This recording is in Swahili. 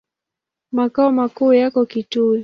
Makao makuu yako Kitui.